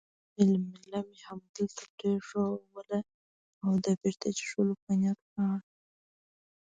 جميله مې همدلته پرېښووله او د بیر څښلو په نیت ولاړم.